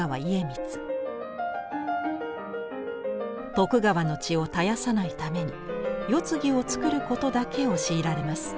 徳川の血を絶やさないために世継ぎをつくることだけを強いられます。